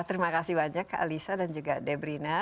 terima kasih banyak pak alisa dan juga debrina